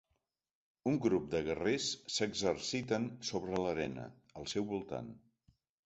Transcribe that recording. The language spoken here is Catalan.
Un grup de guerrers s'exerciten sobre l'arena, al seu voltant.